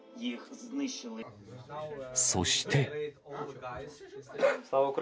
そして。